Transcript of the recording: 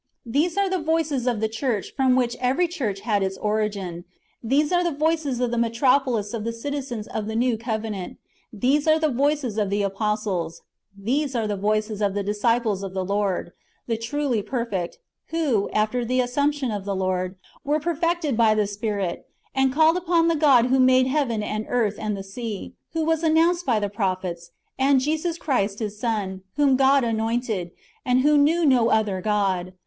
"^ These [are the] voices of the church from which every church had its origin ; these are the voices of the metropolis of the citizens of the new covenant ; these are the voices of the apostles ; these are the voices of the disciples of the Lord, the truly perfect, who, after the assumption of the Lord, were perfected by the Spirit, and called upon the God who made heaven, and earth, and the sea, — who was announced by the prophets, — and Jesus Christ His Son, whom God anointed, and who knew no other [God].